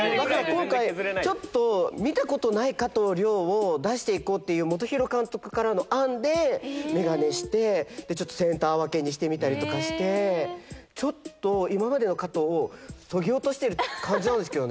今回ちょっと見たことない加藤諒を出していこうっていう本広監督からの案で眼鏡してちょっとセンター分けにしてみたりとかしてちょっと今までの加藤をそぎ落としてる感じなんですけどね。